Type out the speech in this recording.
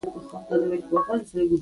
هو، ټیکټ می اخیستی دی